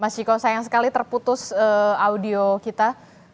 mas ciko sayang sekali terputus audio kita